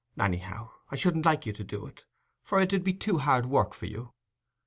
Anyhow, I shouldn't like you to do it, for it 'ud be too hard work for you."